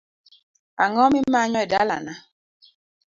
Ang'o mimanyo e dalana?